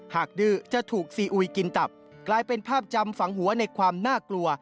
ดื้อจะถูกซีอุยกินตับกลายเป็นภาพจำฝังหัวในความน่ากลัว